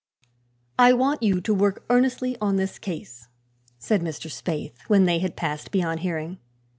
"I want you to work earnestly on this case," said Mr. Spaythe, when they had passed beyond hearing.